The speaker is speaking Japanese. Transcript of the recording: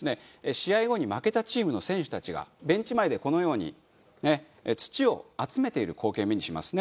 試合後に負けたチームの選手たちがベンチ前でこのように土を集めている光景を目にしますね。